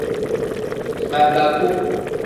Babaku.